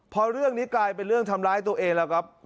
พอเรื่องนี้กลายเป็นเรื่องทำร้ายตัวเองแล้วครับ